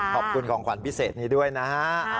ขอบคุณของขวัญพิเศษนี้ด้วยนะฮะ